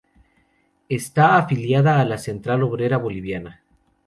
Está afiliada a la Central Obrera Boliviana.